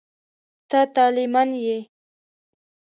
ته طالع من یې.